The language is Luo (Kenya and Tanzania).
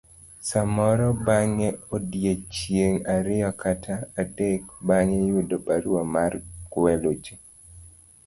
samoro bang' odiechienge ariyo kata adek bang' yudo barua mar gwelo ji.